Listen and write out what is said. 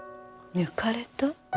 抜かれた？